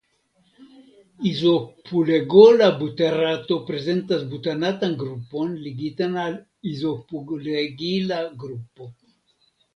Izopulegola buterato prezentas butanatan grupon ligitan al izopulegila grupo.